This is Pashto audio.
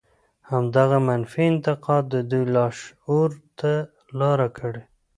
همدغه منفي اعتقاد د دوی لاشعور ته لاره کړې.